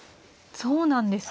そうなんですね。